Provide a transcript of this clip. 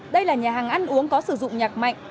đây là nhà hàng ăn uống có sử dụng nhạc mạnh